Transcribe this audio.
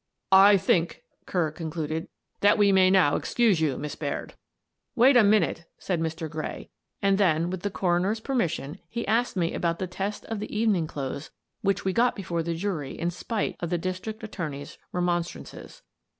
" I think," Kerr concluded, " that we may now excuse you, Miss Baird." " Wait a minute," said Mr. Gray, and then, with the coroner's permission, he asked me about the test of the evening clothes which we got before the jury in spite of the district attorney's remon strances.